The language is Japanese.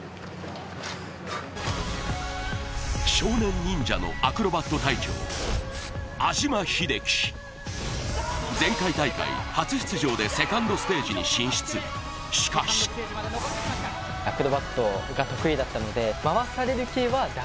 少年忍者のアクロバット隊長、安嶋秀生、前回大会初出場でセカンドステージに進出しかし触りたかった、マジで。